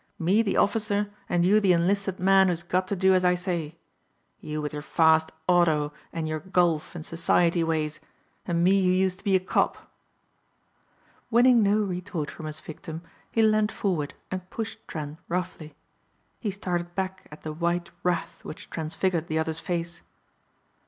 "Me the officer and you the enlisted man who's got to do as I say. You with your fast auto and your golf and society ways and me who used to be a cop." Winning no retort from his victim he leaned forward and pushed Trent roughly. He started back at the white wrath which transfigured the other's face.